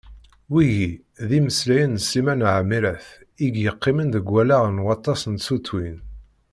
Wigi d imeslayen n Sliman Ɛmirat i yeqqimen deg wallaɣ n waṭas n tsutwin.